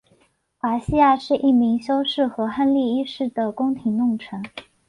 华西亚是一名修士和亨利一世的宫廷弄臣。